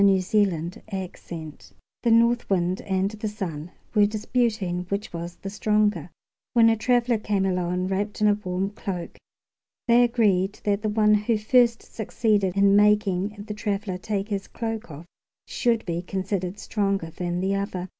Orthographic version The North Wind and the Sun were disputing which was the stronger, when a traveler came along wrapped in a warm cloak. They agreed that the one who first succeeded in making the traveler take his cloak off should be considered stronger than the other.